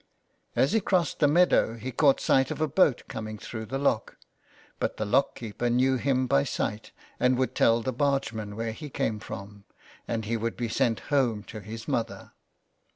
As he crossed the meadow he caught sight of a boat coming through the lock, but the lock keeper knew him by sight, and would tell the bargeman where he came from, and he would be sent home to his mother.